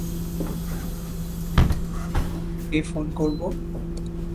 কাকে ফোন করব?